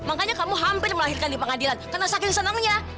makanya kamu hampir melahirkan di pengadilan karena sakit senangnya